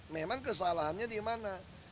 memang kesalahannya di mana